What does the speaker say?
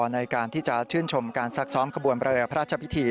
ในการที่จะชื่นชมการซักซ้อมขบวนเรือพระราชพิธี